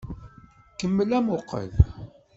Kemmel amuqqel!